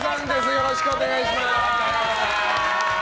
よろしくお願いします。